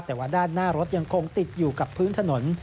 แต่ว่าด้านหน้ารถยังคงติดอยู่กับพื้นถนน